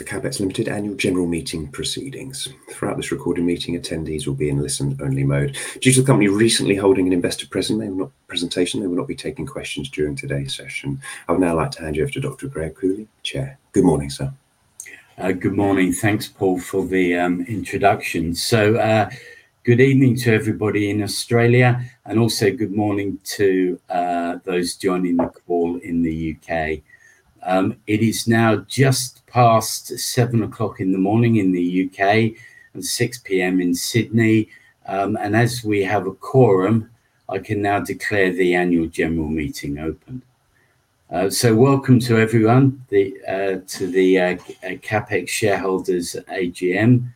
The CAP-XX Limited annual general meeting proceedings. Throughout this recorded meeting, attendees will be in listen-only mode. Due to the company recently holding an investor presentation, they will not be taking questions during today's session. I would now like to hand you over to Dr. Greg Cooley, Chair. Good morning, sir. Good morning. Thanks, Paul, for the introduction. Good evening to everybody in Australia, and also good morning to those joining the call in the U.K. It is now just past 7:00 A.M. in the U.K. and 6:00 P.M. in Sydney. As we have a quorum, I can now declare the annual general meeting open. Welcome to everyone, to the CAP-XX shareholders, AGM.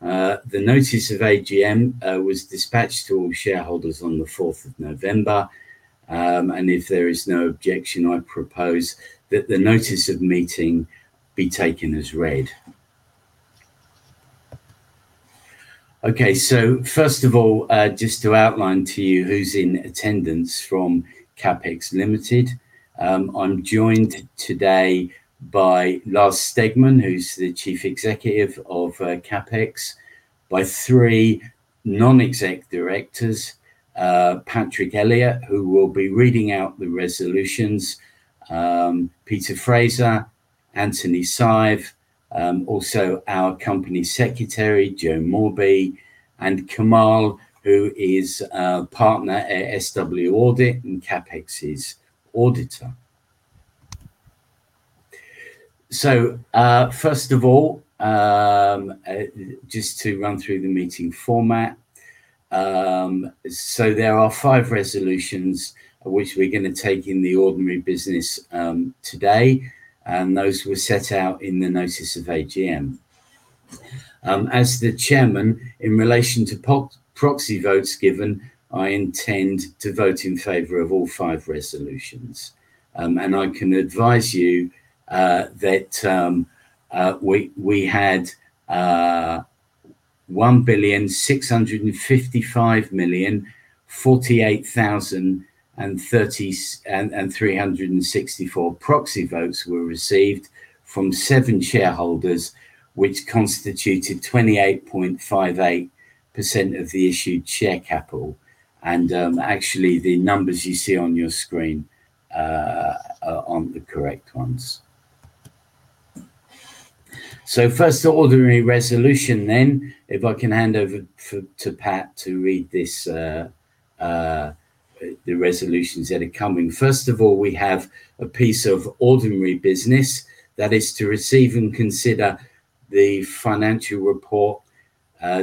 The notice of AGM was dispatched to all shareholders on the 4th of November. If there is no objection, I propose that the notice of meeting be taken as read. Okay, so first of all, just to outline to you who's in attendance from CAP-XX Limited, I'm joined today by Lars Stegmann, who's the Chief Executive Officer of CAP-XX, by three Non-Executive Directors, Patrick Elliott, who will be reading out the resolutions, Peter Fraser, Anthony Sive, also our company secretary, Joe Morbey, and [Kamal], who is a partner at SW Audit and CAP-XX's auditor. First of all, just to run through the meeting format. There are five resolutions which we're going to take in the ordinary business today, and those were set out in the notice of AGM. As the Chairman, in relation to proxy votes given, I intend to vote in favor of all five resolutions. I can advise you that we had 1,655,048,364 proxy votes received from seven shareholders, which constituted 28.58% of the issued share capital. Actually, the numbers you see on your screen are not the correct ones. First, the ordinary resolution then, if I can hand over to Pat to read the resolutions that are coming. First of all, we have a piece of ordinary business that is to receive and consider the financial report,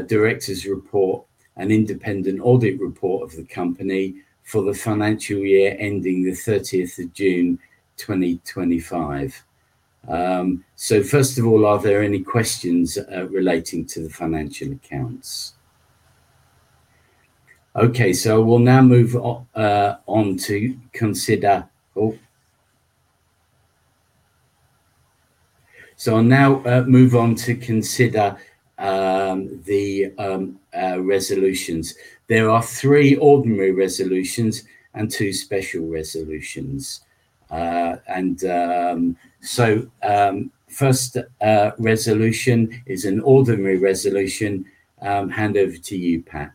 director's report, and independent audit report of the company for the financial year ending the 30th of June, 2025. First of all, are there any questions relating to the financial accounts? Okay, we will now move on to consider—oh. I will now move on to consider the resolutions. There are three ordinary resolutions and two special resolutions. The first resolution is an ordinary resolution. Hand over to you, Pat.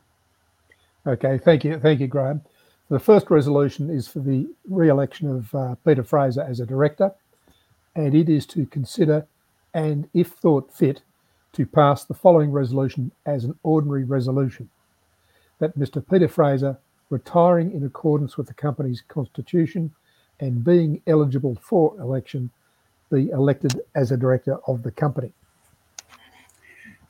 Okay, thank you. Thank you, Graham. The first resolution is for the re-election of Peter Fraser as a director, and it is to consider, and if thought fit, to pass the following resolution as an ordinary resolution: that Mr. Peter Fraser, retiring in accordance with the company's constitution and being eligible for election, be elected as a director of the company.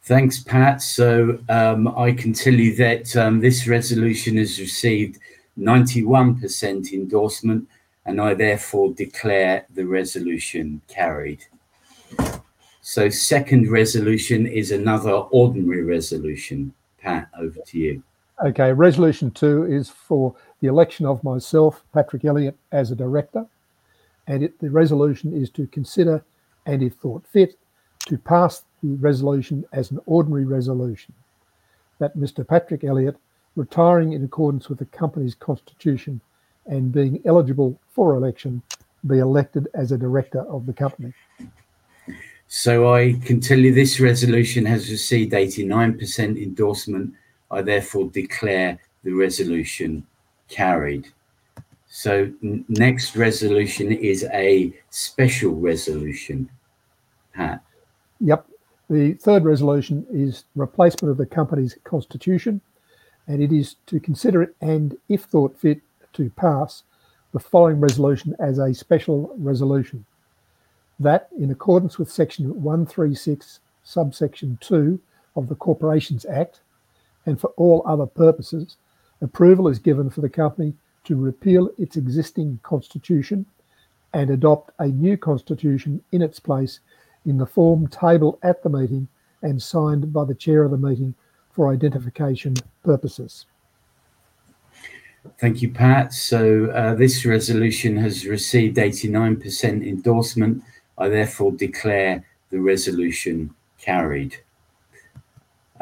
Thanks, Pat. I can tell you that this resolution has received 91% endorsement, and I therefore declare the resolution carried. The second resolution is another ordinary resolution. Pat, over to you. Okay, resolution two is for the election of myself, Patrick Elliott, as a director. The resolution is to consider, and if thought fit, to pass the resolution as an ordinary resolution: that Mr. Patrick Elliott, retiring in accordance with the company's constitution and being eligible for election, be elected as a director of the company. I can tell you this resolution has received 89% endorsement. I therefore declare the resolution carried. The next resolution is a special resolution, Pat. Yep. The third resolution is replacement of the company's constitution, and it is to consider it, and if thought fit, to pass the following resolution as a special resolution: that in accordance with section 136, subsection 2 of the Corporations Act, and for all other purposes, approval is given for the company to repeal its existing constitution and adopt a new constitution in its place in the form tabled at the meeting and signed by the Chair of the meeting for identification purposes. Thank you, Pat. This resolution has received 89% endorsement. I therefore declare the resolution carried.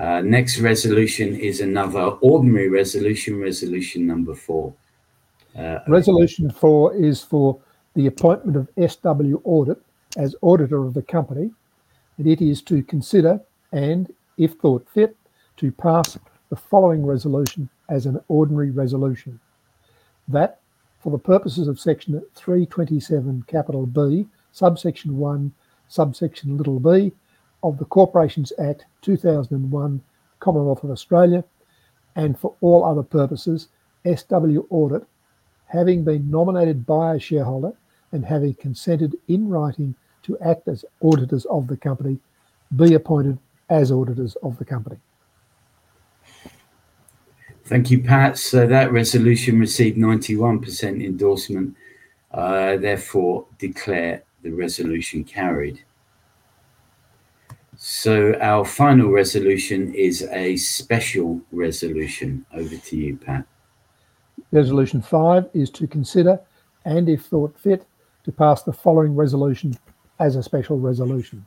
The next resolution is another ordinary resolution, resolution number four. Resolution four is for the appointment of SW Audit as auditor of the company, and it is to consider, and if thought fit, to pass the following resolution as an ordinary resolution: that for the purposes of section 327, capital B, subsection 1, subsection b of the Corporations Act 2001, Commonwealth of Australia, and for all other purposes, SW Audit, having been nominated by a shareholder and having consented in writing to act as auditors of the company, be appointed as auditors of the company. Thank you, Pat. That resolution received 91% endorsement. I therefore declare the resolution carried. Our final resolution is a special resolution. Over to you, Pat. Resolution five is to consider, and if thought fit, to pass the following resolution as a special resolution: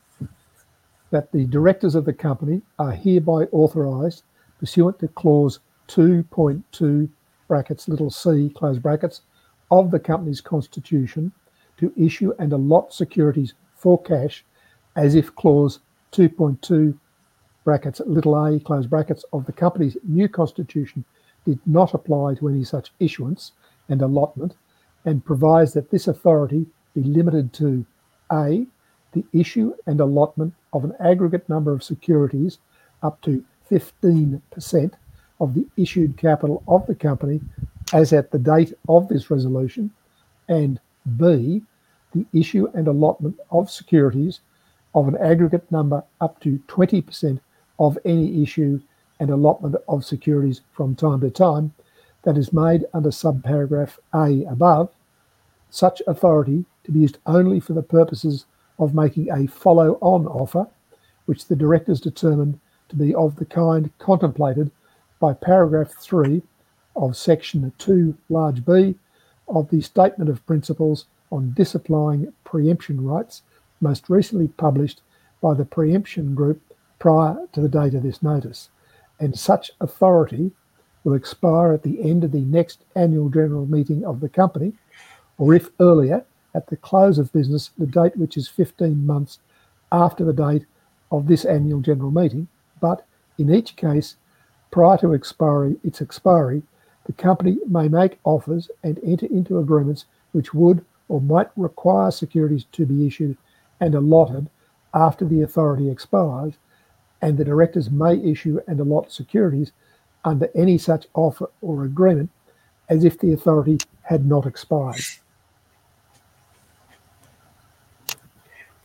that the directors of the company are hereby authorized, pursuant to clause 2.2(c) of the company's constitution to issue and allot securities for cash, as if clause 2.2(a) of the company's new constitution did not apply to any such issuance and allotment, and provides that this authority be limited to: a) the issue and allotment of an aggregate number of securities up to 15% of the issued capital of the company as at the date of this resolution, and b) the issue and allotment of securities of an aggregate number up to 20% of any issue and allotment of securities from time to time that is made under subparagraph a above, such authority to be used only for the purposes of making a follow-on offer, which the directors determine to be of the kind contemplated by paragraph three of section 2B of the statement of principles on disciplining preemption rights, most recently published by the Preemption Group prior to the date of this notice. Such authority will expire at the end of the next annual general meeting of the company, or if earlier, at the close of business, the date which is 15 months after the date of this annual general meeting. In each case, prior to its expiry, the company may make offers and enter into agreements which would or might require securities to be issued and allotted after the authority expires, and the directors may issue and allot securities under any such offer or agreement as if the authority had not expired.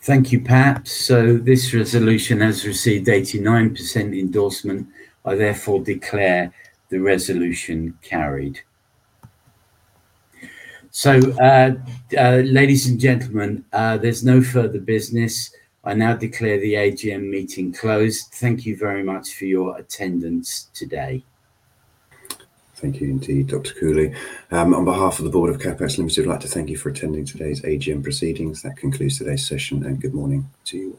Thank you, Pat. This resolution has received 89% endorsement. I therefore declare the resolution carried. Ladies and gentlemen, there is no further business. I now declare the AGM meeting closed. Thank you very much for your attendance today. Thank you, indeed, Dr. Cooley. On behalf of the board of CAP-XX Limited, I'd like to thank you for attending today's AGM proceedings. That concludes today's session, and good morning to you.